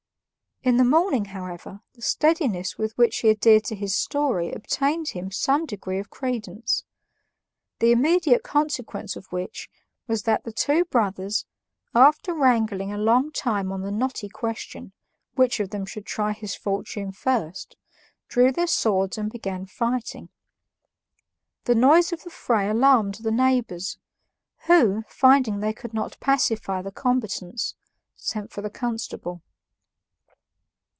In the morning, however, the steadiness with which he adhered to his story obtained him some degree of credence; the immediate consequence of which was that the two brothers, after wrangling a long time on the knotty question, which of them should try his fortune first, drew their swords and began fighting. The noise of the fray alarmed the neighbors, who, finding they could not pacify the combatants, sent for the constable.